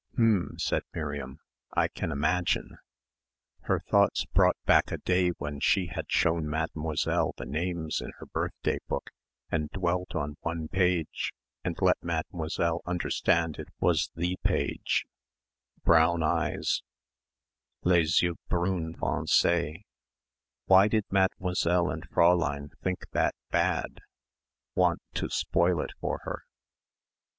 "H'm," said Miriam, "I can imagine " Her thoughts brought back a day when she had shown Mademoiselle the names in her birthday book and dwelt on one page and let Mademoiselle understand that it was the page brown eyes les yeux brunes foncés. Why did Mademoiselle and Fräulein think that bad want to spoil it for her?